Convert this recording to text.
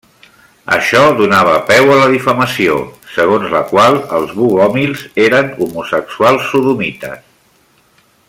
Això donava peu a la difamació, segons la qual els bogomils eren homosexuals sodomites.